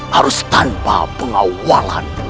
harus tanpa pengawalan